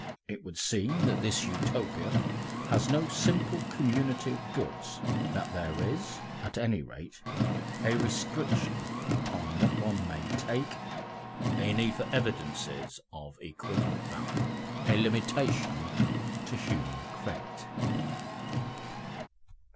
It would seem that this Utopia has no simple community of goods, that there is, at any rate, a restriction upon what one may take, a need for evidences of equivalent value, a limitation to human credit.